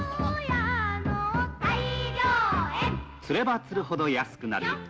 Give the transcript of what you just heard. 「釣れば釣るほど安くなる」